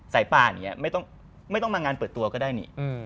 สายป่าอย่างนี้ไม่ต้องมางานเปิดตัวก็ได้นี่